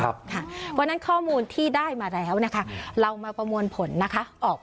เพราะฉะนั้นข้อมูลที่ได้มาแล้วนะคะเรามาประมวลผลนะคะออก